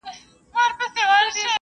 املا د زده کړي یوه ګټوره برخه ده.